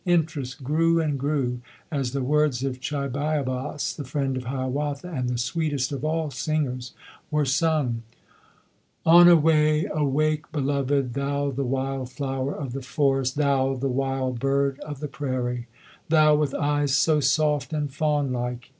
Interest grew and grew as the words of Chibiabos, the friend of Hiawatha and the sweetest of all singers, were sung: 142 ] UNSUNG HEROES Onaway! Awake, beloved! Thou the wild flower of the forest! Thou the wild bird of the prairie! Thou with eyes so soft and fawn like!